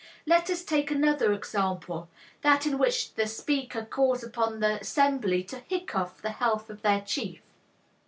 Let us take another example, that in which the speaker calls upon the assembly 'to hiccough the health of their chief.'